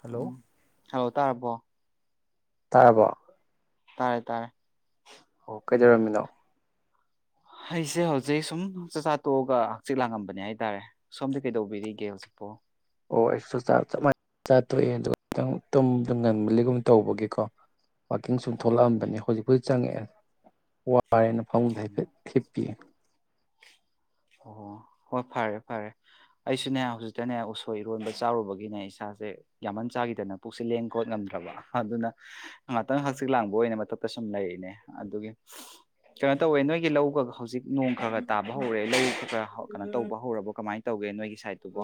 hello ꯎꯝ ꯍꯥꯎ ꯇꯥꯔꯕꯣ ꯇꯥꯔꯕꯣ ꯇꯥꯔꯦ ꯇꯥꯔꯦ ꯑꯣ ꯀꯩꯗꯧꯔꯝꯃꯤꯅꯣ ꯑꯩꯁꯦ ꯍꯧꯖꯤꯛ ꯁꯨꯝ ꯆꯥꯛꯆꯥ ꯇꯣꯛꯑꯒ ꯍꯛꯆꯤꯠ ꯂꯥꯡꯉꯝꯕꯅꯦ ꯍꯥꯏꯇꯥꯔꯦ ꯁꯣꯝꯗꯤ ꯀꯩꯗꯧꯕꯤꯔꯤꯒꯦ ꯍꯧꯖꯤꯛꯄꯣ ꯑꯣ ꯑꯩꯁꯨ ꯆꯥꯆꯥꯛ ꯆꯞ ꯃꯥꯟꯅꯩ ꯆꯥ ꯇꯣꯛꯑꯦ ꯑꯗꯨꯒ ꯈꯤꯇꯪ ꯇꯨꯝ ꯉꯟꯂꯤꯒꯨꯝꯕ ꯇꯧꯕꯒꯤꯀꯣ ꯋꯥꯛꯀꯤꯡ ꯁꯨꯝ ꯊꯣꯛꯂꯛ ꯑꯝꯕꯅꯤ ꯍꯧꯖꯤꯛꯄꯨ ꯆꯪꯉꯛꯑꯦ ꯋꯥꯔꯦꯅ ꯐꯃꯨꯡꯗ ꯎꯝ ꯍꯥꯏꯐꯦꯠ ꯍꯤꯞꯄꯤꯌꯦ ꯑꯣ ꯍꯣꯏ ꯐꯔꯦ ꯐꯔꯦ ꯑꯩꯁꯨꯅꯦ ꯍꯧꯖꯤꯛꯇꯅꯦ ꯎꯁꯣꯏ ꯏꯔꯣꯟꯕ ꯆꯥꯔꯨꯕꯒꯤꯅꯦ ꯏꯁꯥꯁꯦ ꯌꯥꯝꯃꯟ ꯆꯥꯈꯤꯗꯅ ꯄꯨꯛꯁꯦ ꯂꯦꯡ ꯈꯣꯠ ꯉꯝꯗ꯭ꯔꯕ ꯑꯗꯨꯅ ꯉꯥꯛꯇꯪ ꯍꯛꯆꯤꯠ ꯂꯥꯡꯕ ꯑꯣꯏꯅ ꯃꯊꯛꯇ ꯁꯨꯝ ꯂꯩꯔꯤꯅꯦ ꯑꯗꯨꯒꯤ ꯀꯩꯅꯣ ꯇꯧꯋꯦ ꯅꯣꯏꯒꯤ ꯂꯧꯒ ꯍꯧꯖꯤꯛ ꯅꯣꯡ ꯈꯔ ꯈꯔ ꯇꯥꯕ ꯍꯧꯔꯦ ꯂꯧ ꯈꯔ ꯀꯅꯣ ꯇꯧꯕ ꯍꯧꯔꯕꯣ ꯀꯃꯥꯏ ꯇꯧꯒꯦ ꯅꯣꯏꯒꯤ ꯁꯥꯏꯠꯇꯨꯕꯣ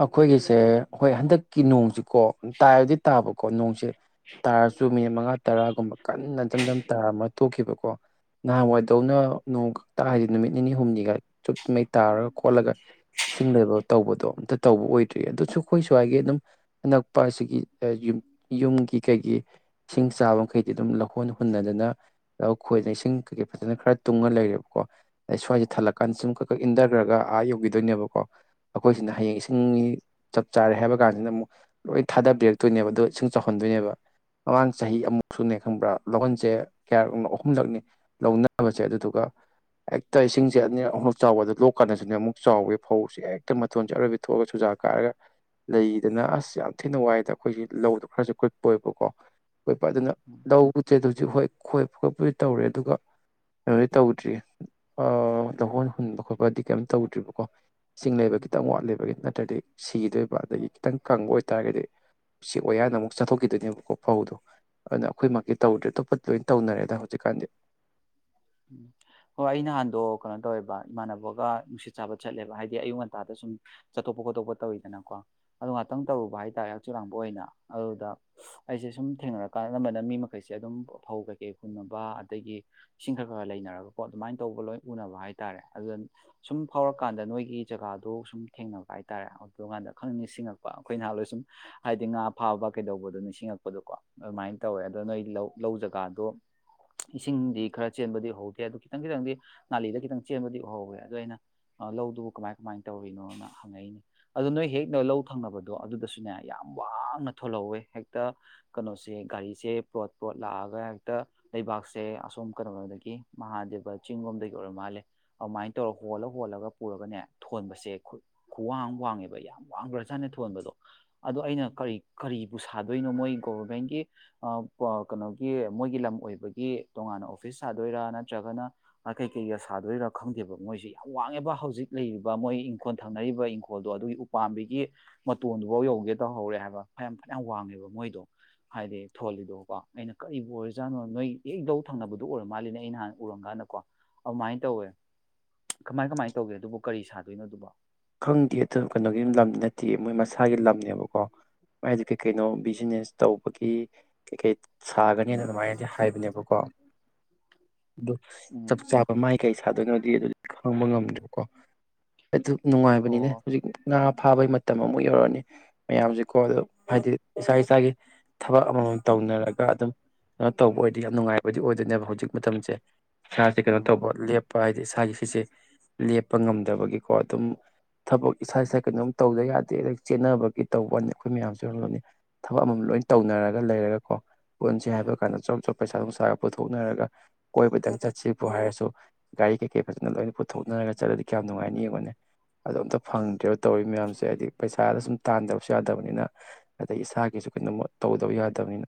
ꯑꯩꯈꯣꯏꯒꯤꯁꯦ ꯍꯣꯏ ꯍꯟꯗꯛ ꯀꯤ ꯅꯣꯡ ꯀꯣ ꯇꯥꯏꯕꯗꯤ ꯇꯥꯕꯣ ꯀꯣꯅꯨꯡꯁꯠ ꯇꯥꯔꯁꯨ ꯃꯤꯅꯤꯠ ꯃꯉꯥ ꯇꯔꯥꯒꯨꯝꯕ ꯀꯟꯅ ꯏꯆꯝ ꯆꯝ ꯇ ꯍꯥꯊꯣꯛꯈꯤꯕꯀꯣ ꯅꯍꯥꯟꯋꯥꯏꯗꯧꯅ ꯅꯣꯡ ꯈꯛꯇ ꯍꯥꯏꯗꯤ ꯅꯨꯃꯤꯠ ꯅꯤꯅꯤ ꯍꯨꯝꯅꯤꯒ ꯆꯨꯞꯉꯩ ꯇꯥꯔꯒ ꯈꯣꯠꯂꯒ ꯏꯁꯤꯡ ꯂꯩꯕ ꯇꯧꯕꯗꯣ ꯑꯝꯇ ꯇꯧꯕ ꯑꯣꯏꯗ꯭ꯔꯤ ꯑꯗꯨꯁꯨ ꯑꯩꯈꯣꯏ ꯁ꯭ꯋꯥꯏꯒꯤ ꯑꯗꯨꯝ ꯑꯅꯛꯄ ꯑꯁꯤꯒꯤꯒꯤ ꯌ ꯌꯨꯝꯒꯤ ꯀꯩꯒꯤ ꯏꯁꯤꯡ ꯆꯥꯕ ꯃꯈꯩꯗꯤ ꯑꯗꯨꯝ ꯂꯧꯍꯣꯟ ꯍꯨꯟꯅꯗꯅ ꯑꯩꯈꯣꯏꯅ ꯏꯁꯤꯡ ꯀꯩꯀꯩ ꯐꯖꯅ ꯈꯔ ꯇꯨꯡꯉꯒ ꯂꯩꯔꯦꯕ ꯀꯣ ꯑꯗ ꯁ꯭ꯋꯥꯏꯁꯦ ꯊꯜꯂꯛꯀꯥꯟꯗ ꯁꯨꯝ ꯈꯛ ꯈꯛ ꯏꯟꯊꯈ꯭ꯔꯒ ꯑꯥ ꯌꯧꯈꯤꯗꯣꯏꯅꯦꯕ ꯀꯣ ꯑꯩꯈꯣꯏꯁꯤꯅ ꯍꯌꯦꯡ ꯏꯁꯤꯡ ꯆꯞ ꯆꯥꯔꯦ ꯍꯥꯏꯕ ꯀꯥꯟꯁꯤꯅ ꯑꯃꯨꯛ ꯂꯣꯏ ꯊꯥꯗꯕꯤꯔꯛꯇꯣꯏꯅꯦꯕ ꯑꯗꯣ ꯏꯁꯤꯡ ꯆꯥꯎꯍꯟꯗꯣꯏꯅꯦꯕ ꯃꯃꯥꯡ ꯆꯍꯤ ꯑꯃꯨꯛ ꯁꯨꯅꯦ ꯈꯪꯕ꯭ꯔꯥ ꯂꯧꯍꯟꯁꯦ ꯀꯌꯥꯔꯛꯅꯣ ꯑꯍꯨꯝꯂꯛꯅꯤ ꯂꯧꯅꯕꯁꯦ ꯑꯗꯨꯗꯨꯒ ꯍꯦꯛꯇ ꯏꯁꯤꯡꯁꯦ ꯑꯅꯤ ꯑꯛ ꯆꯥꯎꯕꯗ ꯂꯣꯛ ꯀꯥꯟꯗꯁꯤꯅ ꯑꯃꯨꯛ ꯆꯥꯎꯋꯦ ꯐꯧꯁꯦ ꯍꯦꯛꯇ ꯃꯇꯊꯣꯟ ꯆꯠꯔꯣꯏꯕꯤ ꯊꯣꯛꯑꯒ ꯆꯨꯖꯥꯛ ꯀꯥꯔꯒ ꯂꯩꯗꯅ ꯑꯁ ꯌꯥꯝ ꯊꯤꯅ ꯋꯥꯏꯗ ꯑꯩꯈꯣꯏꯁꯤ ꯂꯧꯗꯣ ꯈꯔꯁꯨ ꯀꯨꯏꯄꯣꯏꯕꯀꯣ ꯣꯏꯄ ꯑꯗꯨꯅ ꯂꯧ ꯎ ꯍꯧꯖꯤꯛ ꯍꯣꯏ ꯈꯣꯏꯕꯒꯠꯄꯗꯤ ꯇꯧꯔꯦ ꯑꯗꯨꯒ ꯀꯩꯅꯣꯗꯤ ꯇꯧꯗ꯭ꯔꯤ ꯇꯧꯍꯣꯟ ꯍꯨꯟꯕ ꯈꯣꯠꯄꯗꯤ ꯀꯩꯝꯇ ꯇꯧꯗ꯭ꯔꯤꯕꯀꯣ ꯆꯤꯡ ꯂꯩꯕ ꯈꯤꯇꯪ ꯋꯥꯠꯂꯤꯕꯒꯤ ꯅꯠꯇ꯭ꯔꯗꯤ ꯁꯤꯈꯤꯗꯣꯏꯕ ꯑꯗꯒꯤ ꯈꯤꯇꯪ ꯀꯪꯕ ꯑꯣꯏꯇꯥꯔꯒꯗꯤ ꯎꯆꯛ ꯑꯣ ꯌꯥꯅ ꯑꯃꯨꯛ ꯆꯠꯊꯣꯛꯈꯤꯗꯣꯏꯅꯦꯕꯀꯣ ꯐꯧꯗꯣ ꯑꯗꯨꯅ ꯑꯩꯈꯣꯏꯃꯛꯀꯤꯤ ꯇꯧꯗ꯭ꯔꯦ ꯑꯇꯣꯞꯄ ꯂꯣꯏꯅ ꯇꯧꯅꯔꯦꯗ ꯍꯧꯖꯤꯛꯀꯥꯟꯗꯤ ꯎꯝ ꯍꯣꯏ ꯑꯩ ꯅꯍꯥꯟꯗꯣ ꯀꯩꯅꯣ ꯇꯧꯋꯦꯕ ꯏꯃꯥꯟꯅꯕꯒ ꯅꯨꯡꯁꯤꯠ ꯆꯥꯕ ꯆꯠꯂꯦꯕ ꯍꯥꯏꯗꯤ ꯑꯌꯨꯛ ꯉꯟꯇꯥꯗ ꯁꯨꯝ ꯆꯠꯇꯣꯛꯄ ꯈꯣꯠꯇꯣꯛꯄ ꯇꯧꯋꯤꯗꯅꯀꯣ ꯑꯗꯨ ꯉꯥꯛꯇꯪ ꯇꯧꯔꯨꯕ ꯍꯥꯏ ꯇꯔꯦ ꯍꯛꯆꯤ ꯂꯥꯡꯕ ꯑꯣꯏꯅ ꯑꯗꯨꯗ ꯑꯩꯁꯦ ꯁꯨꯝ ꯊꯦꯡꯅꯔꯛꯀꯥꯟꯗꯅꯝꯕꯅ ꯃꯤ ꯃꯈꯩꯁꯦ ꯑꯗꯨꯝ ꯐꯧ ꯀꯩꯀꯩ ꯍꯨꯟꯅꯅꯕ ꯑꯗꯒꯤ ꯏꯁꯤꯡ ꯈꯔ ꯈꯔ ꯂꯩꯅꯔꯒꯀꯣ ꯑꯗꯨꯃꯥꯏꯅ ꯇꯧꯕ ꯂꯣꯏ ꯎꯅꯕ ꯍꯥꯏꯇꯥꯔꯦ ꯑꯗꯨꯗ ꯁꯨꯝ ꯐꯥꯎꯔꯀꯥꯟꯗ ꯅꯣꯏꯒꯤ ꯖꯒꯥꯗꯣ ꯁꯨꯝ ꯊꯦꯡꯅꯕ ꯍꯥꯏꯇꯥꯔꯦ ꯑꯗꯨꯀꯥꯟꯗ ꯈꯪ ꯅꯤꯡꯁꯤꯡꯉꯛꯄ ꯑꯩꯈꯣꯏ ꯅꯍꯥꯟ ꯂꯣꯏ ꯁꯨꯝ ꯍꯥꯏꯗꯤ ꯉꯥ ꯐꯥꯕ ꯀꯩꯗꯧꯕꯗꯣ ꯅꯤꯡꯁꯤꯡꯉꯛꯄꯗꯣꯀꯣ ꯑꯗꯨꯃꯥꯏꯅ ꯇꯧꯋꯦ ꯑꯗꯣ ꯅꯣꯏ ꯂꯧ ꯂꯧ ꯖꯒꯥꯗꯣ ꯏꯁꯤꯡꯗꯤ ꯈꯔ ꯆꯦꯟꯕꯗꯤ ꯎꯍꯧꯗꯦ ꯑꯗꯨ ꯈꯤꯇꯪ ꯈꯤꯇꯪꯗꯤ ꯅꯥꯂꯤꯗ ꯈꯤꯇꯪ ꯆꯦꯟꯕꯗꯤ ꯎꯍꯧꯋꯦ ꯑꯗꯣ ꯑꯩꯅ ꯂꯧꯗꯨꯕꯨ ꯀꯃꯥꯏ ꯀꯃꯥꯏꯅ ꯇꯧꯔꯤꯅꯣꯅ ꯍꯪꯉꯛꯏꯅꯦ ꯑꯗꯣ ꯅꯣꯏ ꯍꯦꯛ ꯂꯧ ꯊꯪꯅꯕꯗꯣ ꯑꯗꯨꯗꯁꯨꯅꯦ ꯌꯥꯝ ꯋꯥꯡꯅ ꯊꯣꯜꯍꯧꯋꯦ ꯍꯦꯛꯇ ꯀꯩꯅꯣꯁꯦ ꯒꯥꯔꯤꯁꯦ ꯄ꯭ꯂꯣꯠ ꯄꯣꯠ ꯂꯥꯛꯑꯒ ꯍꯦꯛꯇ ꯂꯩꯕꯥꯛꯁꯦ ꯑꯁꯣꯝ ꯀꯩꯅꯣꯗꯒꯤ ꯃꯍꯥꯗꯦꯕ ꯆꯤꯡ ꯂꯣꯝꯗꯒꯤ ꯑꯣꯏꯔ ꯃꯥꯜꯂꯦ ꯑꯗꯨꯃꯥꯏꯅ ꯇꯧꯔ ꯍꯣꯜꯂ ꯍꯣꯜꯂꯒ ꯄꯨꯔꯒꯅꯦ ꯊꯣꯟꯕꯁꯦ ꯈꯨꯋꯥꯡ ꯋꯥꯡꯉꯦꯕ ꯌꯥꯝ ꯋꯥꯡꯕ꯭ꯔꯖꯥꯠꯅ ꯊꯣꯟꯕꯗꯣ ꯑꯗꯣ ꯑꯩꯅ ꯀꯔꯤ ꯀꯔꯤꯕꯨ ꯁꯥꯗꯣꯏꯅꯣ ꯃꯣꯏ ꯒꯣꯕꯔꯃꯦꯟꯒꯤ ꯀꯩꯅꯣꯒꯤ ꯃꯣꯏꯒꯤ ꯂꯝ ꯑꯣꯏꯕꯒꯤ ꯇꯣꯉꯥꯟꯅ ꯑꯣꯐꯤꯁ ꯁꯥꯗꯣꯏꯔꯥ ꯅꯠꯇ꯭ꯔꯒꯅ ꯀꯩ ꯀꯩꯒ ꯁꯥꯗꯣꯏꯔꯥ ꯈꯪꯗꯦꯕ ꯃꯣꯏꯁꯤꯦ ꯌꯥꯝ ꯋꯥꯡꯉꯦꯕ ꯍꯧꯖꯤꯛ ꯂꯩꯔꯤꯕ ꯃꯣꯏ ꯏꯪꯈꯣꯜ ꯊꯪꯅꯔꯤꯕ ꯏꯪꯈꯣꯜꯗꯣ ꯑꯗꯨꯒꯤ ꯎꯄꯥꯝꯕꯤꯒꯤ ꯃꯇꯣꯟꯗꯨꯐꯥꯎ ꯌꯧꯒꯦ ꯇꯧꯍꯧꯔꯦ ꯍꯥꯏꯕ ꯐꯌꯥꯝ ꯐꯅꯌꯥꯝ ꯋꯥꯡꯉꯦꯕ ꯃꯣꯏꯗꯣ ꯍꯥꯏꯗꯤ ꯊꯣꯜꯂꯤꯗꯣ ꯀꯣ ꯑꯩꯅ ꯀꯔꯤꯕꯨ ꯑꯣꯏꯔꯤꯖꯥꯠꯅꯣ ꯅꯣꯏ ꯍꯛꯗꯧ ꯊꯪꯅꯕꯗ ꯑꯗꯨ ꯑꯣꯏꯔ ꯃꯥꯜꯂꯤꯅꯦ ꯑꯩ ꯅꯍꯥꯟ ꯎꯔꯝ ꯀꯥꯟꯗꯀꯣ ꯑꯗꯨꯃꯥꯏꯅ ꯇꯧꯋꯦ ꯀꯃꯥꯏ ꯀꯃꯥꯏꯅ ꯇꯧꯒꯦ ꯑꯗꯨꯕꯨ ꯀꯔꯤ ꯁꯥꯗꯣꯏꯅꯣ ꯑꯗꯨꯕ ꯈꯪꯗꯦ ꯑꯗꯨ ꯀꯩꯅꯣꯒꯤ ꯂꯝꯗꯤ ꯅꯠꯇꯦ ꯃꯣꯏ ꯃꯁꯥꯒꯤ ꯂꯝꯅꯦꯕꯀꯣ ꯃꯥꯏꯗꯤ ꯀꯩ ꯀꯩꯅꯣ ꯕꯤꯖꯤꯅꯦꯁ ꯇꯧꯕꯒꯤ ꯀꯩꯀꯩ ꯁꯥꯒꯅꯤꯅ ꯑꯗꯨꯃꯥꯏꯅꯗꯤ ꯍꯥꯏꯕꯅꯦꯕꯀꯣ ꯑꯗꯨ ꯎꯝ ꯆꯞ ꯆꯥꯄ ꯃꯥꯏ ꯀꯩ ꯊꯥꯗꯣꯛꯅꯗꯤ ꯑꯗꯨꯗꯤ ꯈꯪꯕ ꯉꯝꯗ꯭ꯔꯦꯀꯣ ꯑꯗꯨ ꯅꯨꯡꯉꯥꯏꯕꯅꯤꯅꯦ ꯑꯣ ꯍꯧꯖꯤꯛ ꯉꯥ ꯐꯥꯕꯩ ꯃꯇꯝ ꯑꯃꯨꯛ ꯌꯧꯔꯛꯑꯅꯤ ꯃꯌꯥꯝꯁꯦꯀꯣ ꯑꯗꯣ ꯍꯥꯏꯗꯤ ꯏꯁꯥ ꯏꯁꯥꯒꯤ ꯊꯕꯛ ꯑꯃꯃꯝ ꯇꯧꯅꯔꯒ ꯑꯗꯨꯝ ꯀꯩꯅꯣ ꯇꯧꯕ ꯑꯣꯏꯔꯗꯤ ꯌꯥꯝ ꯅꯨꯡꯉꯥꯏꯕꯗꯤ ꯑꯣꯏꯗꯣꯏꯅꯦꯕ ꯍꯧꯖꯤꯛ ꯃꯇꯝꯁꯦ ꯆꯁꯤ ꯎꯝ ꯀꯦꯞ ꯍꯥꯏꯗꯤ ꯏꯁꯥꯒꯤ ꯁꯤꯁꯦ ꯂꯦꯞꯄ ꯉꯝꯗꯕꯒꯤꯀꯣ ꯑꯗꯨꯝ ꯊꯕꯛ ꯏꯁꯥ ꯏꯁꯥ ꯀꯩꯅꯣꯝ ꯇꯧꯗ ꯌꯥꯗꯦ ꯑꯗꯩ ꯆꯦꯟꯅꯕꯒꯤ ꯇꯧꯕꯅꯤ ꯑꯩꯈꯣꯏ ꯃꯌꯥꯝꯁꯨ ꯑꯣꯏꯔꯝꯂꯅꯤ ꯊꯕꯛ ꯑꯃꯃꯝ ꯂꯣꯏ ꯇꯧꯅꯔꯒ ꯂꯩꯔꯒꯀꯣ ꯄꯨꯟꯁꯤꯦ ꯍꯥꯏꯕ ꯀꯥꯟꯗ ꯑꯣꯞ ꯑꯆꯣꯄ ꯄꯩꯁꯥ ꯅꯨꯡꯁꯥꯒ ꯄꯨꯊꯣꯛꯅꯔꯒ ꯀꯣꯏꯕꯗꯪ ꯆꯠꯁꯤꯕꯨ ꯍꯥꯏꯔꯁꯨ ꯒꯥꯔꯤ ꯀꯩꯀꯩ ꯐꯖꯅ ꯂꯣꯏꯅ ꯄꯨꯊꯣꯛꯅꯔꯒ ꯆꯠꯂꯗꯤ ꯀꯌꯥꯝ ꯅꯨꯡꯉꯥꯏꯅꯤ ꯌꯦꯡꯉꯣꯅꯦ ꯑꯗꯣ ꯑꯝꯇ ꯐꯪꯗ꯭ꯔꯦꯔꯤꯕ ꯇꯧꯔꯤ ꯃꯌꯥꯝꯁꯦ ꯍꯥꯏꯗꯤ ꯄꯩꯁꯥꯗ ꯁꯨꯝ ꯇꯥꯟꯗꯕꯁꯨ ꯌꯥꯗꯕꯅꯤꯅ ꯑꯗꯩ ꯏꯁꯥꯒꯤꯁꯨ ꯀꯩꯅꯣꯃ ꯇꯧꯗꯕ ꯌꯥꯗꯕꯅꯤꯅ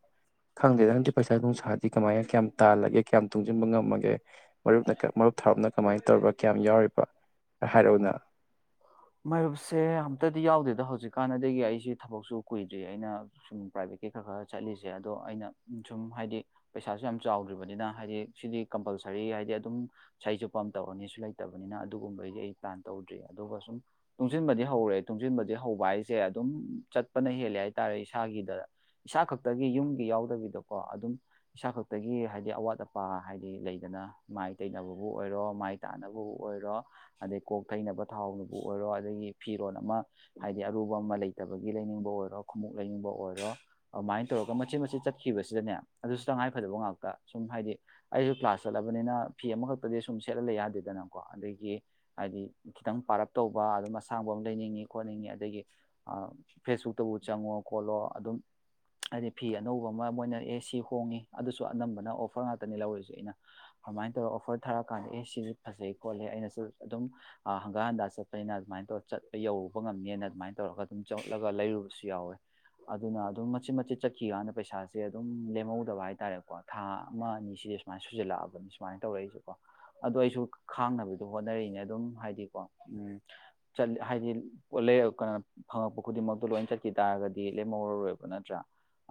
ꯈꯪꯗꯦꯗ ꯍꯪꯗꯤ ꯄꯩꯁꯥ ꯅꯨꯡꯁꯥꯗꯤ ꯀꯃꯥꯏꯅ ꯀꯌꯥꯝ ꯇꯥꯜꯂꯒꯦ ꯀꯌꯥꯝ ꯇꯨꯡꯁꯤꯟꯕ ꯉꯝꯃꯒꯦ ꯃꯔꯨꯞꯅ ꯃꯔꯨꯞ ꯊꯔꯞꯅ ꯀꯃꯥꯏꯅ ꯇꯧꯔꯤꯕ ꯀꯌꯥꯝ ꯌꯥꯎꯔꯤꯕ ꯍꯥꯏꯔꯛꯑꯣꯅ ꯃꯔꯌꯨꯞꯁꯦ ꯑꯝꯇꯗꯤ ꯌꯥꯎꯗꯦꯗ ꯍꯧꯖꯤꯛꯀꯥꯟꯅꯗꯒꯤ ꯑꯩꯁꯤ ꯊꯕꯛꯁꯨ ꯀꯨꯏꯗ꯭ꯔꯤ ꯑꯩꯅ ꯁꯨꯝ ꯄ꯭ꯔꯥꯏꯚꯦꯠꯀꯤ ꯈꯔ ꯈꯔ ꯆꯠꯂꯤꯁꯦ ꯑꯗꯣ ꯑꯩꯅ ꯁꯨꯝ ꯍꯥꯏꯗꯤ ꯄꯩꯁꯥꯁꯨ ꯌꯥꯝ ꯆꯥꯎꯗ꯭ꯔꯤꯕꯅꯤꯅ ꯍꯥꯏꯗꯤ ꯁꯤꯗꯤ ꯀꯝꯄꯜꯁꯔꯤ ꯍꯥꯏꯗꯤ ꯑꯗꯨꯝ ꯏꯁꯩ ꯁꯨꯞꯄ ꯑꯃ ꯇꯧꯔꯅꯤꯁꯨ ꯂꯩꯇꯕꯅꯤꯅ ꯑꯗꯨꯒꯨꯝꯕꯩꯗꯤ ꯑꯩ ꯄ꯭ꯂꯥꯟ ꯇꯧꯗ꯭ꯔꯤ ꯑꯗꯨꯒ ꯁꯨꯝ ꯇꯨꯡꯁꯤꯟꯕꯗꯤ ꯍꯧꯔꯦ ꯇꯨꯡꯁꯤꯟꯕꯗꯤ ꯍꯧꯕ ꯍꯥꯏꯁꯦ ꯑꯗꯨꯝ ꯆꯠꯄꯅ ꯍꯦꯜꯂꯦ ꯍꯥꯏꯇꯥꯔꯦ ꯏꯁꯥꯒꯤꯗ ꯏꯁꯥ ꯈꯛꯇꯒꯤ ꯌꯨꯝꯒꯤ ꯌꯥꯎꯗꯕꯤꯗꯀꯣ ꯑꯗꯨꯝ ꯏꯁꯥ ꯈꯛꯇꯒꯤ ꯍꯥꯏꯕꯗꯤ ꯑꯋꯥꯠ ꯑꯄꯥ ꯍꯥꯏꯗꯤ ꯂꯩꯗꯅ ꯃꯥꯏ ꯇꯩꯅꯕꯕꯨ ꯑꯣꯏꯔꯣ ꯃꯥꯏ ꯇꯥꯅꯕꯕꯨ ꯑꯣꯏꯔꯣ ꯑꯗꯩ ꯀꯣꯛ ꯇꯩꯅꯕ ꯊꯥꯎ ꯕꯨ ꯑꯣꯏꯔꯣ ꯑꯗꯒꯤ ꯐꯤꯔꯣꯜ ꯑꯃ ꯍꯥꯏꯗꯤ ꯑꯔꯨꯕ ꯑꯃ ꯂꯩꯇꯕꯒꯤ ꯂꯩꯅꯤꯡꯕ ꯑꯣꯏꯔꯣ ꯈꯣꯡꯎꯞ ꯂꯩꯅꯤꯡꯕ ꯑꯣꯏꯔꯣ ꯑꯗꯨꯃꯥꯏꯅ ꯇꯧꯔꯒ ꯃꯆꯦꯠ ꯃꯆꯦꯠ ꯆꯠꯈꯤꯕꯁꯤꯗꯅꯦ ꯑꯗꯨꯁꯨ ꯇꯉꯥꯏꯐꯗꯕ ꯉꯥꯛꯇ ꯁꯨꯝ ꯍꯥꯏꯗꯤ ꯑꯩꯁꯨ ꯀ꯭ꯂꯥꯁ ꯆꯠꯂꯕꯅꯤꯅ ꯐꯤ ꯑꯃꯈꯛꯇꯗꯤ ꯁꯨꯝ ꯁꯦꯠꯍꯜꯂ ꯌꯥꯗꯦꯗꯅꯀꯣ ꯑꯗꯒꯤ ꯍꯥꯏꯗꯤ ꯈꯤꯇꯪ ꯄꯥꯔꯛ ꯇꯧꯕ ꯑꯗꯨꯝ ꯑꯁꯥꯡꯕ ꯑꯃ ꯂꯩꯅꯤꯡꯉꯤ ꯈꯣꯠꯅꯤꯡꯉꯤ ꯑꯗꯒꯤ ꯐꯦꯁꯕꯨꯛꯇꯕꯨ ꯆꯪꯉꯣ ꯈꯣꯠꯂꯣ ꯑꯗꯨꯝ ꯍꯥꯏꯗꯤ ꯐꯤ ꯑꯅꯧꯕ ꯑꯃ ꯃꯣꯏꯅ ꯑꯦ ꯁꯤ ꯍꯣꯡꯉꯤ ꯑꯗꯨꯁꯨ ꯑꯅꯝꯕꯅ ꯑꯣꯐꯔ ꯉꯥꯛꯇꯅꯤ ꯂꯧꯔꯤꯁꯦ ꯑꯩꯅ ꯑꯗꯨꯃꯥꯏꯅ ꯇꯧꯔꯒ ꯑꯣꯐꯔ ꯊꯥꯔꯛꯀꯥꯟꯗ ꯑꯦ ꯁꯤꯁꯨ ꯐꯖꯩ ꯈꯣꯠꯂꯤꯦ ꯑꯩꯅꯁꯨ ꯑꯗꯨꯝ ꯍꯪꯒꯥ ꯍꯟꯗ ꯆꯠ ꯑꯩꯅ ꯑꯗꯨꯃꯥꯏꯅ ꯇꯧꯔ ꯆꯠꯄ ꯌꯧꯔꯨꯕ ꯉꯝꯅꯦꯅ ꯑꯗꯨꯃꯥꯏꯅ ꯇꯧꯔꯒ ꯑꯗꯨꯝ ꯆꯠꯂꯒ ꯂꯩꯔꯨꯕꯁꯨ ꯌꯥꯎꯋꯦ ꯑꯗꯨꯅ ꯑꯗꯨꯝ ꯃꯆꯤꯟꯠ ꯃꯆꯤꯟꯠ ꯆꯠꯈꯤꯀꯥꯟꯗ ꯄꯩꯁꯥꯁꯦ ꯑꯗꯨꯝ ꯂꯦꯝꯍꯧꯗꯕ ꯍꯥꯏꯇꯥꯔꯦꯀꯣ ꯊꯥ ꯑꯃ ꯑꯅꯤꯁꯤꯗ ꯁꯨꯃꯥꯏꯅ ꯁꯨꯖꯜꯂꯛꯑꯕꯅꯤ ꯁꯨꯃꯥꯏꯅ ꯇꯧꯔꯛꯏꯁꯦꯀꯣ ꯑꯗꯣ ꯑꯩꯁꯨ ꯈꯥꯡꯅꯕꯗꯣ ꯍꯣꯠꯅꯔꯤꯛꯏꯅꯦ ꯑꯗꯨꯝ ꯍꯥꯏꯗꯤꯀꯣ ꯎ ꯠꯂꯤ ꯍꯥꯏꯗꯤ ꯀꯩꯅꯣ ꯐꯪꯉꯛꯄ ꯈꯨꯗꯤꯡꯃꯛꯇꯣ ꯂꯣꯏ ꯆꯠꯈꯤ ꯇꯥꯔꯒꯗꯤ ꯂꯦꯝꯍꯧꯔꯔꯣꯏꯕ ꯅꯠꯇ꯭ꯔꯥ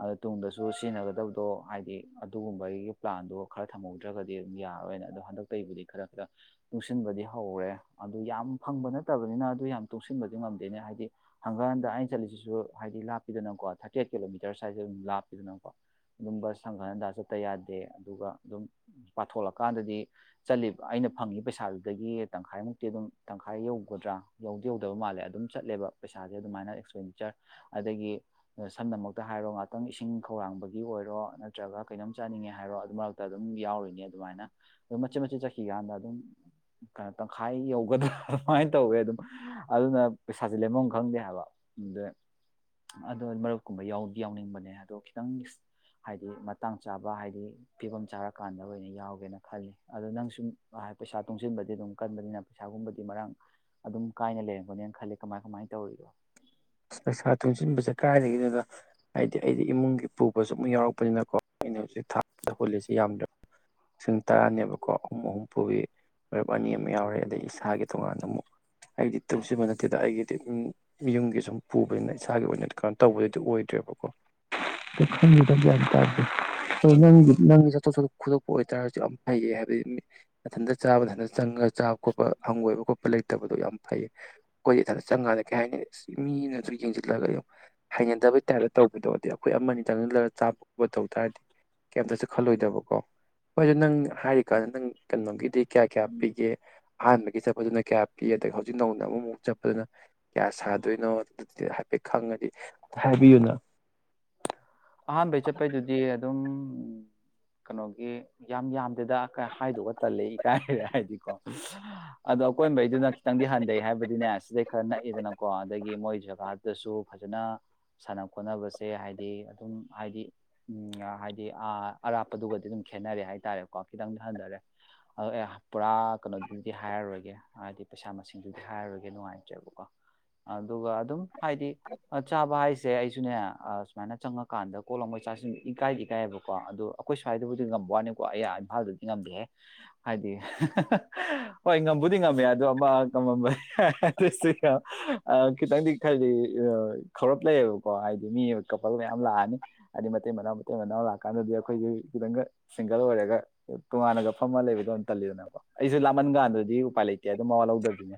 ꯑꯗꯣ ꯇꯨꯡꯗꯁꯨ ꯁꯤꯖꯤꯟꯅꯒꯗꯕꯗꯣ ꯍꯥꯏꯗꯤ ꯑꯗꯨꯒꯨꯝꯕꯒꯤ ꯄ꯭ꯂꯥꯟꯗꯣ ꯈꯔ ꯊꯝꯍꯧꯗ꯭ꯔꯒꯗꯤ ꯑꯗꯨꯝ ꯌꯥꯔꯣꯏꯅ ꯑꯗꯣ ꯍꯟꯗꯛꯇꯒꯤꯕꯨꯗꯤ ꯈꯔ ꯈꯤꯔ ꯇꯨꯡꯁꯤꯟꯕꯗꯤ ꯍꯧꯔꯦ ꯑꯗꯨ ꯌꯥꯝ ꯐꯪꯕ ꯅ ꯐꯠꯇꯕꯅꯤꯅ ꯑꯗꯨ ꯌꯥꯝ ꯇꯨꯡꯁꯤꯟꯕꯗꯤ ꯉꯝꯗꯦꯅꯦ ꯍꯥꯏꯗꯤ ꯍꯪꯒꯟ ꯍꯟꯗ ꯑꯩꯅ ꯆꯠꯂꯤꯁꯤꯁꯨ ꯍꯥꯏꯗꯤ ꯂꯥꯞꯄꯤꯗꯅꯀꯣ ꯊꯥꯔꯇꯤ ꯑꯩꯠ ꯀꯤꯂꯣꯃꯤꯇꯔꯁ ꯍꯥꯏꯁꯦ ꯑꯗꯨꯝ ꯂꯥꯞꯄꯤꯗꯅꯀꯣ ꯑꯗꯨꯝ ꯕꯁ ꯍꯪꯒꯥꯟ ꯍꯟꯗ ꯆꯠꯇ ꯌꯥꯗꯦ ꯑꯗꯨꯒ ꯑꯗꯨꯝ ꯄꯥꯊꯣꯛꯂꯀꯥꯟꯗꯗꯤ ꯆꯠꯂꯤ ꯑꯩꯅ ꯐꯪꯉꯤꯕ ꯄꯩꯁꯥꯗꯨꯗꯒꯤ ꯇꯪꯈꯥꯏꯃꯨꯛꯇꯤ ꯑꯗꯨꯝ ꯇꯪꯈꯥꯏ ꯌ ꯇꯧꯒꯗ꯭ꯔꯥ ꯌꯧꯗꯤ ꯌꯧꯗꯕ ꯃꯥꯜꯂꯦ ꯑꯗꯨꯝ ꯆꯠꯂꯦꯕ ꯄꯩꯁꯥꯁꯦ ꯑꯗꯨꯃꯥꯏꯅ ꯑꯦꯛꯁꯄꯦꯟꯗꯤꯆꯔ ꯑꯗꯒꯤ ꯁꯝꯅꯃꯛꯇ ꯍꯥꯏꯔꯣ ꯉꯍꯥꯛꯇꯪ ꯏꯁꯤꯡ ꯈꯧꯔꯥꯡꯕꯒꯤ ꯑꯣꯏꯔꯣ ꯅꯠꯇ꯭ꯔꯒ ꯀꯩꯅꯣꯝ ꯆꯥꯅꯤꯡꯉꯦ ꯍꯥꯏꯔꯣ ꯑꯗꯨ ꯃꯔꯛꯇ ꯑꯗꯨꯝ ꯌꯥꯎꯔꯤꯅꯦ ꯑꯗꯨꯃꯥꯏꯅ ꯑꯗꯨꯝ ꯃꯆꯦꯠ ꯃꯆꯦꯠ ꯆꯠꯈꯤ ꯀꯥꯟꯗ ꯑꯗꯨꯝꯣ ꯇꯪꯈꯥꯏ ꯌꯧꯒꯗ꯭ꯔꯥ ꯁꯨꯃꯥꯏꯅ ꯇꯧꯋꯦ ꯑꯗꯨꯝ ꯑꯗꯨꯅ ꯄꯩꯁꯥꯁꯦ ꯂꯩꯦꯝꯐꯝ ꯈꯪꯗꯦ ꯍꯥꯏꯕ ꯑꯗ ꯑꯗꯣ ꯃꯔꯨꯞꯀꯨꯝꯕ ꯌꯥꯗꯤ ꯌꯥꯎꯅꯤꯡꯕꯅꯦ ꯑꯗꯣ ꯈꯤꯇꯪ ꯍꯥꯏꯗꯤ ꯃꯇꯥꯡ ꯆꯥꯕ ꯍꯥꯏꯗꯤ ꯐꯤꯕꯝ ꯆꯥꯔꯀꯥꯟꯗ ꯑꯣꯏꯅ ꯌꯥꯎꯒꯦꯅ ꯈꯜꯂꯤ ꯑꯗꯣ ꯅꯪ ꯁꯨꯝ ꯄꯩꯁꯥ ꯇꯨꯡꯁꯤꯟꯕꯗꯤ ꯑꯗꯨꯝ ꯀꯟꯕꯅꯤꯅ ꯄꯩꯁꯥꯒꯨꯝꯕꯗꯤ ꯃꯔꯥꯡ ꯑꯗꯨꯝ ꯀꯥꯏꯅ ꯂꯩꯔꯝꯒꯅꯦꯅ ꯈꯜꯂꯤ ꯀꯃꯥꯏ ꯀꯃꯥꯏꯅ ꯇꯧꯔꯤꯅꯣ ꯄꯩꯁꯥ ꯇꯨꯡꯁꯤꯟꯕꯁꯦ ꯀꯗꯥꯏꯗꯒꯤꯅꯅ ꯍꯥꯏꯗꯤ ꯑꯩꯗꯤ ꯏꯃꯨꯡꯒꯤ ꯄꯨꯕꯁꯨ ꯑꯃꯨꯛ ꯌꯥꯎꯔꯛꯄꯅꯤꯅꯀꯣ ꯑꯩꯅ ꯍꯧꯖꯤꯛ ꯊꯥ ꯍꯨꯜꯂꯤꯁꯤ ꯌꯥꯝꯗ꯭ꯔꯕ ꯂꯤꯁꯤꯡ ꯇꯔꯥꯅꯦꯕꯀꯣ ꯑꯍꯨꯝ ꯑꯍꯨꯝ ꯄꯨꯕꯤ ꯃꯔꯨꯞ ꯑꯅꯤ ꯑꯃ ꯌꯥꯎꯔꯦ ꯑꯗꯩ ꯏꯁꯥꯒꯤ ꯇꯣꯉꯥꯟꯅ ꯑꯃꯨꯛ ꯑꯩꯗꯤ ꯇꯨꯡꯁꯤꯟꯕ ꯅꯠꯇꯦꯗ ꯑꯩꯒꯤꯗꯤ ꯌꯨꯝꯒꯤ ꯁꯨꯝ ꯄꯨꯕꯅꯤꯅ ꯏꯁꯥꯒꯤ ꯑꯣꯏꯅꯗꯤ ꯀꯩꯅꯣ ꯇꯧꯕꯗꯗꯤ ꯑꯣꯏꯗ꯭ꯔꯦꯕꯀꯣ ꯇꯥꯦ ꯅꯪꯒꯤ ꯆꯠꯊꯣꯛ ꯆꯠꯣꯛ ꯈꯣꯗꯣꯛꯄ ꯑꯣꯏꯇꯥꯔꯁꯨ ꯌꯥꯝ ꯐꯩꯌꯦ ꯍꯥꯏꯕꯗꯤ ꯃꯊꯟꯇ ꯆꯥꯕ ꯃꯊꯟꯇ ꯆꯪꯉꯒ ꯆꯥꯕ ꯈꯣꯠꯄ ꯍꯪꯒꯣꯏꯕ ꯈꯣꯠꯄ ꯂꯩꯇꯕꯗꯣ ꯌꯥꯝ ꯐꯩꯌꯦ ꯑꯩꯈꯣꯏꯗꯤ ꯏꯊꯟꯇ ꯆꯪꯉꯥꯟꯗ ꯀꯩ ꯍꯥꯏꯅꯤ ꯃꯤꯅꯁꯨ ꯌꯦꯡꯁꯤꯜꯂꯒ ꯍꯩꯅꯗꯕꯩ ꯇꯥꯏꯞꯇ ꯇꯧꯕꯗꯕꯗꯤ ꯑꯩꯈꯣꯏ ꯑꯃꯅꯤ ꯆꯪꯁꯤꯜꯂꯒ ꯆꯥꯕ ꯈꯣꯕ ꯇꯧ ꯇꯥꯔꯗꯤ ꯀꯩꯝꯇꯁꯨ ꯈꯜꯂꯣꯏꯗꯕꯀꯣ ꯍꯣꯏꯁꯨ ꯅꯪ ꯍꯥꯏꯔꯤꯀꯥꯟꯗ ꯅꯪ ꯀꯩꯅꯣꯒꯤꯗꯤ ꯀꯌꯥ ꯀꯌꯥ ꯄꯤꯒꯦ ꯑꯍꯥꯟꯕꯒꯤ ꯆꯠꯄꯗꯨꯅ ꯀꯌꯥ ꯄꯤ ꯑꯗꯒꯤ ꯍꯧꯖꯤꯛ ꯅꯧꯅ ꯑꯃꯃꯨꯛ ꯆꯠꯄꯗꯨꯅ ꯀꯌꯥ ꯁꯥ ꯑꯣꯏꯣꯏꯅꯣ ꯑꯗꯨꯗꯤ ꯍꯥꯏꯐꯦꯠ ꯈꯪꯉꯗꯤ ꯍꯥꯏꯕꯤꯌꯨꯅ ꯑꯍꯥꯟꯕꯩ ꯆꯠꯄꯩꯗꯨꯗꯤ ꯑꯗꯨꯝ ꯀꯩꯅꯣꯒꯤ ꯌꯥꯝ ꯌꯥꯝ ꯑꯗꯨꯗ ꯍꯥꯏꯗꯣꯛꯑ ꯇꯜꯂꯦ ꯏꯀꯥꯏꯔꯦ ꯍꯥꯏꯗꯤꯀꯣ [unintelligible] ꯑꯗꯣ ꯑꯀꯣꯏꯕꯩꯗꯨꯅ ꯈꯤꯇꯪꯗꯤ ꯍꯟꯊꯩ ꯍꯥꯏꯕꯗꯤꯅꯦ ꯁꯤꯗꯩ ꯈꯔ ꯅꯛꯏꯗꯅꯀꯣ ꯑꯗꯒꯤ ꯃꯣꯏ ꯖꯒꯥꯗꯁꯨ ꯐꯖꯅ ꯁꯥꯟꯅ ꯈꯣꯠꯅꯕꯁꯦ ꯍꯥꯏꯗꯤ ꯑꯗꯨꯝ ꯍꯥꯏꯗꯤ ꯍꯥꯏꯗꯤ ꯑꯔꯥꯞꯄꯗꯨꯒꯗꯤ ꯑꯗꯨꯝ ꯈꯦꯠꯅꯔꯦ ꯍꯥꯏꯇꯥꯔꯦꯀꯣ ꯈꯤꯇꯪꯗꯤ ꯍꯟꯊꯔꯦ ꯑꯗꯣ ꯑꯦ ꯄꯨꯔꯥ ꯀꯩꯅꯣꯗꯨꯗꯤ ꯍꯥꯏꯔꯔꯣꯏꯒꯦ ꯍꯥꯏꯗꯤ ꯄꯩꯁꯥ ꯃꯁꯤꯡꯗꯨꯗꯤ ꯍꯥꯏꯔꯔꯣꯏꯒꯦ ꯅꯨꯡꯉꯥꯏꯇ꯭ꯔꯦꯕꯀꯣ ꯑꯗꯨꯒ ꯑꯗꯨꯝ ꯍꯥꯏꯗꯤ ꯆꯥꯕ ꯍꯥꯏꯁꯤꯦ ꯁꯦ ꯑꯩꯁꯨꯅꯦ ꯁꯨꯃꯥꯏꯅ ꯆꯉ ꯀꯥꯟꯗ ꯀꯣ ꯂꯥꯡꯕꯩ ꯆꯥꯛꯁꯤꯡ ꯏꯀꯥꯏꯗꯤ ꯏꯀꯥꯏꯌꯦꯕꯀꯣ ꯑꯗꯣ ꯑꯩꯈꯣꯏ ꯁ꯭ꯋꯥꯏꯗꯕꯨꯗꯤ ꯉꯝꯕ ꯋꯥꯅꯤꯀꯣ ꯑꯩ ꯏꯝꯐꯥꯜꯗꯗꯤ ꯉꯝꯗꯦ ꯍꯥꯏꯗꯤ ꯍꯣꯏ ꯉꯕꯨꯗꯤ ꯉꯝꯃꯦ ꯑꯗꯣ ꯑꯃ ꯉꯝꯃꯝꯕ ꯈꯤꯇꯪꯗꯤ ꯍꯥꯏꯗꯤ ꯈꯧꯔꯞ ꯂꯩꯌꯦꯕꯀꯣ ꯍꯥꯏꯗꯤ ꯃꯤ ꯀꯄꯜ ꯃꯌꯥꯝ ꯂꯥꯛꯑꯦ ꯍꯥꯏꯗꯤ ꯃꯇꯩ ꯃꯅꯥꯎ ꯃꯇꯩ ꯃꯅꯥꯎ ꯂꯥꯛꯀꯥꯟꯗꯗꯤ ꯑꯩꯈꯣꯏꯁꯨ ꯈꯤꯇꯪꯒ ꯁꯤꯡꯒꯜ ꯑꯣꯏꯔꯒ ꯇꯣꯉꯥꯟꯅꯒ ꯐꯝꯃ ꯂꯩꯕꯗꯣ ꯇꯜꯂꯤꯗꯅꯀꯣ ꯑꯩꯁꯨ ꯂꯥꯝꯃꯟ ꯀꯥꯟꯗꯗꯤ ꯎꯄꯥꯏ ꯂꯩꯇꯦ ꯑꯗꯨꯝ ꯃꯋꯥ ꯂꯧꯗꯕꯕꯤꯅꯦ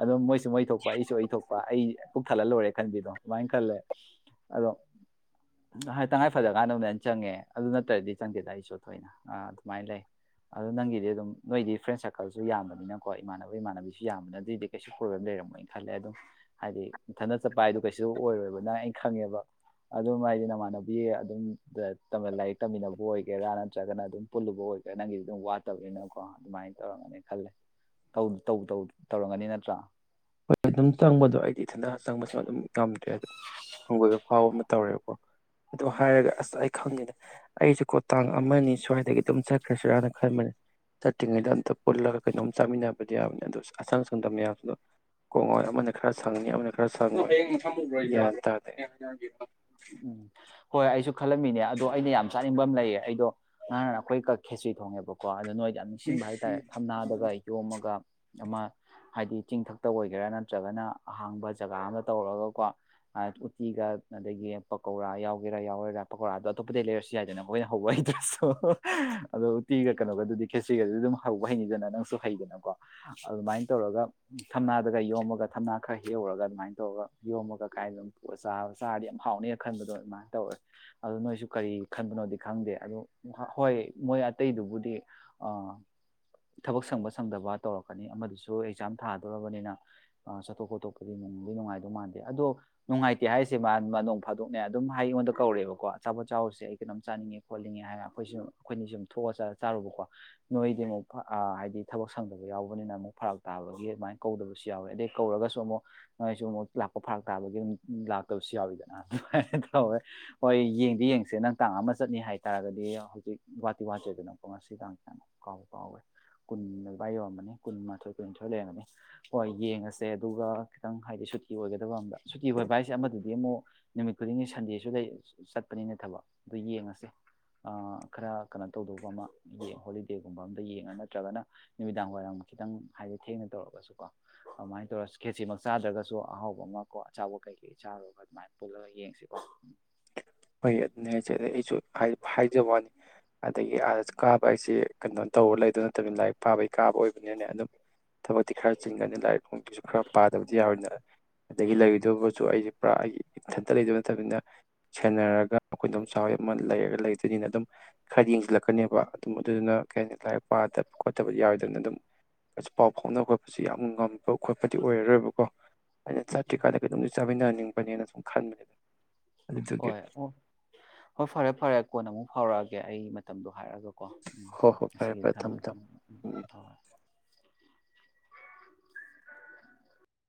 ꯑꯗꯨꯝ ꯃꯣꯏꯁꯨ ꯃꯩ ꯊꯣꯛꯣꯛꯄ ꯑꯩꯁꯨ ꯑꯣꯏꯊꯣꯛꯄ ꯑꯩ ꯀꯛ ꯊꯜꯍꯜꯂꯣꯏꯔꯦ ꯈꯟꯕꯤꯗꯣ ꯑꯗꯨꯃꯥꯏꯅ ꯈꯜꯂꯦ ꯑꯗꯣ ꯇꯉꯥꯏ ꯐꯗꯀꯥꯟꯗ ꯑꯃꯅ ꯑꯩꯅ ꯆꯪꯉꯦ ꯑꯗꯨ ꯅꯠꯇ꯭ꯔꯗꯤ ꯆꯪꯗꯦꯗ ꯑꯩꯁꯨ ꯊꯣꯏꯅ ꯑ ꯑꯗꯨꯃꯥꯏꯅ ꯂꯩ ꯑꯗꯨ ꯅꯪꯒꯤꯗꯤ ꯑꯗꯨꯝ ꯅꯣꯏꯗꯤ ꯐ꯭ꯔꯦꯟ ꯁꯥꯔꯀꯜꯁꯨ ꯌꯥꯝꯕꯅꯤꯅꯀꯣ ꯏꯃꯥꯟꯅꯕ ꯏꯃꯥꯟꯅꯕꯤꯁꯨ ꯌꯥꯝꯅꯤꯅ ꯑꯗꯨꯏꯗꯤ ꯀꯩꯁꯨ ꯄ꯭ꯔꯣꯕ꯭ꯂꯦꯝ ꯂꯩꯔꯝꯃꯣꯏꯅ ꯈꯜꯂꯦ ꯑꯗꯨꯝ ꯍꯥꯏꯗꯤ ꯃꯊꯠ ꯆꯠꯄ ꯍꯥꯏꯗ ꯀꯩꯁꯨ ꯑꯣꯏꯔꯣꯏꯕ ꯅꯪ ꯑꯩꯅ ꯈꯪꯉꯦꯕ ꯑꯗꯨꯝ ꯍꯥꯏꯗꯤ ꯅꯃꯥꯟꯅꯕꯤ ꯑꯗꯨꯝ ꯂꯥꯏꯔꯤꯛ ꯇꯝꯃꯤꯟꯅꯕ ꯑꯣꯏꯒꯦꯔꯥ ꯅꯠꯇ꯭ꯔꯒꯅ ꯑꯗꯨꯝ ꯄꯨꯜꯂꯨꯕ ꯑꯣꯏꯒꯦꯔꯥ ꯅꯪꯒꯤꯗꯤ ꯑꯗꯨꯝ ꯋꯥꯠꯇꯕꯅꯤꯅꯀꯣ ꯑꯗꯨꯃꯥꯏꯅ ꯇꯧꯔꯝꯒꯅꯤ ꯈꯜꯂꯦ ꯇꯧꯔꯝꯒꯅꯤ ꯅꯠꯇ꯭ꯔꯥ ꯍꯣꯏ ꯑꯗꯨꯝ ꯆꯪꯕꯗꯣ ꯑꯩꯗꯤ ꯏꯊꯟꯇ ꯆꯪꯕꯁꯨ ꯑꯗꯨꯝ ꯉꯝꯗ꯭ꯔꯦ ꯑꯗꯨ ꯍꯪꯒꯣꯏꯕ ꯐꯥꯎꯕ ꯇꯧꯔꯦꯕꯀꯣ ꯑꯗꯨ ꯍꯥꯏꯔꯒ ꯑꯁ ꯑꯩ ꯈꯪꯗꯦꯗ ꯑꯩꯁꯨ ꯀꯣ ꯇꯥꯡ ꯑꯃ ꯁ꯭ꯋꯥꯏꯗꯒꯤ ꯑꯗꯨꯝ ꯆꯠꯈ꯭ꯔꯁꯤꯔꯥꯅ ꯈꯟꯕꯅꯦ ꯆꯠꯇ꯭ꯔꯤꯉꯩꯗ ꯑꯝꯇ ꯄꯨꯜꯂꯒ ꯀꯩꯅꯣꯝ ꯆꯥꯃꯤꯟꯅꯕꯗꯤ ꯌꯥꯕꯅꯦ ꯑꯗꯨ ꯑꯁꯪ ꯁꯪꯗ ꯃꯌꯥꯝꯗꯨꯗ ꯀꯣꯡꯍꯣꯏ ꯑꯃꯅ ꯈꯔ ꯁꯪꯉꯤ ꯑꯃꯅ ꯈꯔ ꯁꯪꯉꯤꯟ ꯇꯥꯔꯗꯤ ꯎꯝ ꯍꯣꯏ ꯑꯩꯁꯨ ꯈꯜꯂꯝꯃꯤꯅꯦ ꯑꯗꯣ ꯑꯩꯅ ꯌꯥꯝ ꯆꯥꯅꯤꯡꯕ ꯑꯃ ꯂꯩꯌꯦ ꯑꯩꯗꯣ ꯉꯍꯥꯟ ꯑꯩꯈꯣꯏ ꯀꯛ ꯈꯦꯇ꯭ꯔꯤ ꯊꯣꯡꯉꯦꯕꯀꯣ ꯑ ꯅꯣꯏ ꯌꯥꯝ ꯅꯨꯪꯁꯤꯕꯥ ꯍꯥꯏꯇꯥꯔꯦ ꯊꯝꯅꯥꯗꯒ ꯌꯣꯝꯃꯒ ꯑꯃ ꯍꯥꯏꯗꯤ ꯆꯤꯡꯊꯛꯇ ꯑꯣꯏꯒꯦꯔꯥ ꯅꯠꯇ꯭ꯔꯒꯅ ꯑꯍꯥꯡꯕ ꯖꯒꯥ ꯑꯃꯗ ꯇꯧꯔꯒꯀꯣ ꯎꯇꯤꯒ ꯑꯗꯒꯤ ꯄꯀꯧꯔꯥ ꯌꯥꯎꯒꯦꯔꯥ ꯌꯥꯎꯔꯦꯔꯥ ꯄꯀꯧꯔꯥꯗꯣ ꯑꯇꯣꯞꯄꯗꯗꯒꯤ ꯂꯩꯔꯁꯨ ꯌꯥꯏꯗꯅ ꯃꯈꯣꯏꯅ ꯍꯧꯕ ꯍꯩꯇ꯭ꯔꯁꯨ ꯑꯗꯣ ꯎꯇꯤꯒ ꯀꯩꯅꯣꯒꯗꯨꯗꯤ ꯈꯦꯁꯤ꯭ꯔꯤꯒꯗꯤ ꯑꯗꯨꯝ ꯍꯧꯕ ꯍꯩꯅꯤꯗꯅ ꯅꯪꯁꯨ ꯍꯩꯗꯅꯀꯣ ꯑꯗꯨꯃꯥꯏꯅ ꯇꯧꯔꯒ ꯊꯝꯅꯥꯗꯒ ꯌꯣꯝꯃꯒ ꯊꯝꯅꯥ ꯈꯔ ꯍꯦꯛꯍꯧꯔꯒ ꯑꯗꯨꯃꯥꯏꯅ ꯇꯧꯔꯒ ꯌꯣꯝꯃꯒ ꯀꯥꯏꯅ ꯑꯗꯨꯝ ꯆꯥ ꯆꯥꯔꯗꯤ ꯌꯥꯝ ꯍꯥꯎꯅꯤ ꯈꯟꯕꯗꯣ ꯑꯗꯨꯃꯥꯏꯅ ꯇꯧꯔꯦ ꯑꯗꯨ ꯅꯣꯏꯁꯨ ꯀꯔꯤ ꯈꯟꯕꯅꯣꯗꯤ ꯈꯪꯗꯦ ꯑꯗ ꯍꯣꯏ ꯃꯣꯏ ꯑꯇꯩꯗꯨꯕꯨꯗꯤ ꯊꯕꯛ ꯁꯪꯕ ꯁꯪꯗꯕ ꯇꯧꯔꯛꯀꯅꯤ ꯑꯃꯗꯨꯁꯨ ꯑꯦꯛꯖꯥꯝ ꯊꯥꯗꯣꯔꯔꯕꯅꯤꯅ ꯆꯠꯊꯣꯛ ꯈꯣꯠꯇꯣꯛꯄꯗꯤ ꯅꯒꯤ ꯅꯨꯡꯉꯥꯏꯗꯧ ꯃꯥꯟꯗꯦ ꯑꯗꯣ ꯅꯨꯡꯉꯥꯏꯇꯦ ꯍꯥꯏꯔꯤꯁꯦ ꯃꯥ ꯐꯥꯗꯣꯛꯅꯦꯩ ꯑꯗꯨꯝ ꯍꯥꯏ ꯑꯩꯉꯣꯟꯗ ꯀꯧꯔꯑꯦꯕꯀꯣ ꯑꯥꯄꯠ ꯆ ꯆꯥꯎꯔꯨꯁ ꯑꯩ ꯀꯩꯅꯝ ꯆꯥꯅꯤꯡꯉꯦ ꯈꯣꯠꯅꯤꯡꯉꯦ ꯍꯥꯏꯅ ꯑꯩꯈꯣꯏꯁꯨ ꯑꯩꯈꯣꯏꯅꯁꯨ ꯁꯨꯝ ꯊꯣꯛꯑ ꯆꯥꯔꯨꯕꯀꯣ ꯅꯣꯏꯗꯤ ꯑꯃꯨꯛ ꯍꯥꯏꯗꯤ ꯊꯕꯛ ꯁꯪꯗꯕ ꯌꯥꯎꯕꯅꯤꯅ ꯑꯃꯨꯛ ꯐꯔꯥꯛ ꯇꯥꯕꯒꯤ ꯑꯗꯨꯃꯥꯏꯅ ꯀꯧꯗꯕꯁꯨ ꯌꯥꯎꯋꯤ ꯑꯗꯩ ꯀꯧꯔꯒꯁꯨ ꯑꯃꯨꯛ ꯅꯣꯏꯁꯨ ꯑꯃꯨꯛ ꯂꯥꯛꯄ ꯐꯔꯥꯛ ꯇꯥꯕꯒꯤ ꯑꯗꯨꯝ ꯂꯥꯛꯇꯕꯁꯨ ꯌꯥꯎꯋꯤꯗ ꯑꯗꯨꯃꯥꯏꯅ ꯇꯧꯋꯦ ꯍꯣꯏ ꯌꯦꯡꯗꯤ ꯌꯦꯡꯁꯦ ꯅꯪ ꯇꯥꯡ ꯑꯃ ꯆꯠꯅꯤ ꯍꯥꯏꯇꯥꯥꯔꯒꯗꯤ ꯍꯧꯖꯤꯛ ꯋꯥꯇꯤ ꯋꯥꯇꯦꯗꯅꯀꯣ ꯉꯁꯤ ꯇꯥꯡꯁ ꯌꯥꯝꯨꯛ ꯀꯥꯎꯕ ꯀꯥꯎꯋꯦ ꯀꯨꯟ ꯂꯄꯥꯏ ꯌꯧꯔꯝꯃꯅꯤ ꯀꯨꯟꯃꯥꯊꯣꯏ ꯀꯨꯟꯅꯤꯊꯣꯏ ꯂꯩꯔꯝꯃꯅꯤ ꯍꯣꯏ ꯌꯦꯡꯉꯁꯦ ꯑꯗꯨꯒ ꯈꯤꯇꯪ ꯍꯥꯏꯗꯤ ꯁꯨꯇꯤ ꯑꯣꯏꯒꯗꯕ ꯑꯗ ꯁꯨꯇꯤ ꯑꯣꯏꯕ ꯍꯥꯏꯁꯦ ꯑꯃꯗꯗꯤ ꯑꯃꯨꯛ ꯅꯨꯃꯤꯠ ꯈꯨꯗꯤꯡꯒꯤ ꯁꯟꯗꯦꯁꯨ ꯂꯩ ꯆꯠꯄꯅꯤꯅꯦ ꯊꯕꯛ ꯑꯗꯨ ꯌꯦꯡꯉꯁꯦ ꯈꯔ ꯀꯩꯅꯣ ꯇꯧꯗꯧꯕ ꯑꯃ ꯍꯣꯂꯤꯗꯦꯒꯨꯝꯕ ꯑꯝꯗ ꯌꯦꯡꯉ ꯅꯠꯇ꯭ꯔꯒꯅ ꯅꯨꯃꯤꯗꯥꯡ ꯋꯥꯏꯔꯝ ꯈꯤꯇꯪ ꯍꯥꯏꯗꯤ ꯊꯦꯡꯅ ꯇꯧꯔꯒꯁꯨꯀꯣ ꯑꯗꯨꯃꯥꯏꯅ ꯇꯧꯔ ꯈꯦꯁꯤꯃꯛ ꯆꯥꯗ꯭ꯔꯒꯁꯨ ꯑꯍꯥꯎꯕ ꯑꯃ ꯀꯣ ꯑꯆꯥꯎꯕ ꯀꯩꯀꯩ ꯆꯥꯔꯨꯔꯕ ꯑꯗꯨꯃꯥꯏꯅ ꯄꯨꯜꯂꯒ ꯌꯦꯡꯁꯤꯀꯣ ꯍꯣꯏ ꯑꯗꯨꯅꯦ ꯍꯥꯏꯁꯦ ꯑꯗꯩ ꯑꯩꯁꯨ ꯍꯥꯏꯖꯕ ꯋꯥꯅꯤ ꯑꯗꯒꯤ ꯑꯥꯗ ꯀꯥꯕ ꯍꯥꯏꯁꯦ ꯀꯩꯅꯣ ꯇꯧꯕꯔ ꯂꯩꯗꯕ ꯅꯠꯇꯕꯅꯤꯅ ꯂꯥꯏꯔꯤꯛ ꯄꯥꯕꯒꯤ ꯀꯥꯕ ꯑꯣꯏꯕꯅꯤꯅ ꯑꯗꯨꯝ ꯊꯕꯛꯇꯤ ꯈꯔ ꯆꯤꯟꯒꯅꯤ ꯂꯥꯏꯔꯤꯛ ꯅꯨꯡꯗꯁꯨ ꯈꯔ ꯄꯥꯗꯕꯗꯤ ꯌꯥꯔꯣꯏꯅꯦ ꯑꯗꯒꯤ ꯂꯩꯔꯣꯏꯗꯕꯁꯨ ꯑꯩꯁꯦ ꯄꯨꯔꯥ ꯑꯩꯒꯤ ꯏꯊꯟꯇ ꯂꯩꯗꯣꯏ ꯅꯠꯇꯕꯅꯤꯅ ꯁꯦꯟꯅꯔꯒ ꯑꯩꯈꯣꯏ ꯑꯗꯨꯝ ꯆꯥꯎꯋ ꯑꯃ ꯂꯩꯔꯒ ꯂꯩꯇꯣꯏꯅꯤꯅ ꯑꯗꯨꯝ ꯈꯔ ꯌꯦꯡꯁꯤꯜꯂꯛꯀꯅꯦꯕ ꯑꯗꯨꯝ ꯑꯗꯨꯗꯨꯅ ꯀꯩ ꯍꯥꯏꯅꯤ ꯂꯥꯏꯔꯤꯛ ꯄꯥꯗꯕ ꯈꯣꯠꯇꯕ ꯌꯥꯎꯔꯣꯏꯗꯕꯅ ꯑꯗꯨꯝ ꯄꯥꯎ ꯐꯥꯎꯅꯕ ꯈꯣꯠꯄꯁꯨ ꯌꯥꯝ ꯉꯝꯃꯤ ꯈꯠꯄ ꯈꯣꯠꯄꯗꯤ ꯑꯣꯏꯔꯣꯏꯕꯀꯣ ꯑꯩꯅ ꯆꯥꯇ꯭ꯔꯤꯀꯥꯟꯗ ꯀꯩꯅꯣꯝꯇ ꯆꯥꯃꯤꯟꯅꯍꯅꯤꯡꯕ ꯅꯦꯅ ꯁꯨꯝ ꯈꯟꯕꯅꯦꯗ ꯍꯣꯏ ꯑꯣ ꯍꯣꯏ ꯐꯔꯦ ꯐꯔꯦ ꯀꯣꯟꯅ ꯑꯃꯨꯛ ꯍꯧꯔꯛꯑꯒꯦ ꯑꯩ ꯃꯇꯝꯗꯣ ꯍꯥꯏꯔꯛꯑꯒ ꯀ ꯎꯝ ꯍꯣ ꯍꯣ ꯐꯔꯦ ꯑꯁꯤꯒꯤ ꯐꯔꯦ ꯊꯝꯃ ꯊꯝꯃꯦ ꯊꯝꯃꯦ ꯎꯝ ꯎꯝ ꯎꯝ ꯎꯝ ꯍ ꯍꯣꯏ [inaudible]